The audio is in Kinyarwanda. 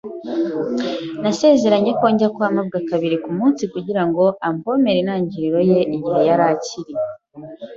Nasezeranye ko njya kwa mabwa kabiri kumunsi kugirango avomere intangiriro ye igihe yari akiri.